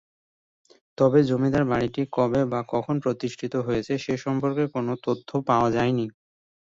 তবে জমিদার বাড়িটি কবে বা কখন প্রতিষ্ঠিত হয়েছে সে সম্পর্কে কোনো তথ্য পাওয়া যায়নি।